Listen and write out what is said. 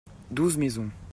douze maisons.